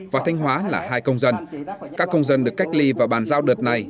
và thanh hóa là hai công dân các công dân được cách ly và bàn giao đợt này